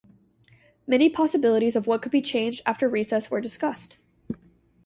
Many possibilities of what could be changed after recess were discussed.